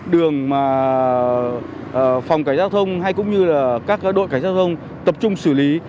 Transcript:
đường phòng cảnh giao thông hay các đội cảnh giao thông tập trung xử lý